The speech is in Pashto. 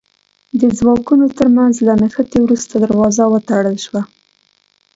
د ځواکونو تر منځ له نښتې وروسته دروازه وتړل شوه.